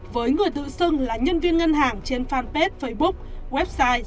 với người tự xưng là nhân viên ngân hàng trên fanpage facebook